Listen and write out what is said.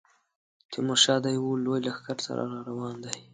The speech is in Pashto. تیمورشاه د یوه لوی لښکر سره را روان دی.